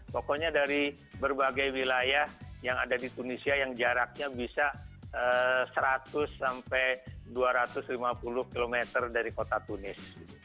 pokoknya dari berbagai wilayah yang ada di tunisia yang jaraknya bisa seratus sampai dua ratus lima puluh km dari kota tunis